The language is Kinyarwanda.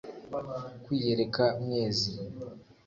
Kwiyereka Mwezi,